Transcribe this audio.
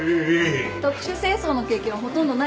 特殊清掃の経験はほとんどないでしょ？